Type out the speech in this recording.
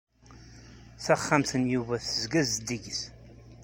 Taxxamt n Yuba tezga zeddiget.